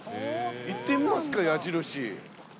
行ってみますか矢印。